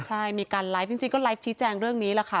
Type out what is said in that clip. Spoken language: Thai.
ใช่มีการไลฟ์จริงก็ไลฟ์ชี้แจงเรื่องนี้แหละค่ะ